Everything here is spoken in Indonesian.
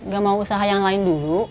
gak mau usaha yang lain dulu